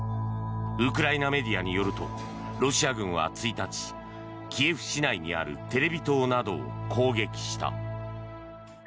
ウクライナメディアによるとロシア軍は１日キエフ市内にあるテレビ塔などを攻撃した。